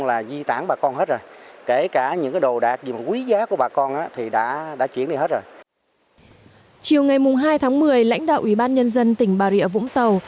lãnh đạo ủy ban nhân dân tỉnh bà rịa vũng tàu